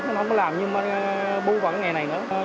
chứ nó không có làm như bưu vận ngày này nữa